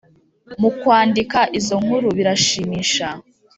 mu kwandika izo nkuru birashimisha